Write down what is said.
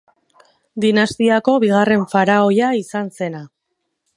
Dinastiako bigarren faraoia izan zena.